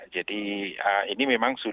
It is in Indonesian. jadi ini memang sudah